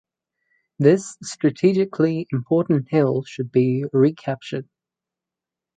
This strategically important hill should be recaptured.